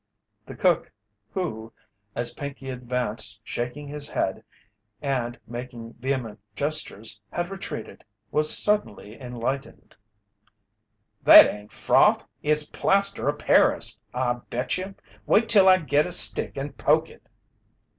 The cook who, as Pinkey advanced shaking his head and making vehement gestures, had retreated, was suddenly enlightened: "That ain't froth it's plaster o' Paris I bet you! Wait till I get a stick and poke it!"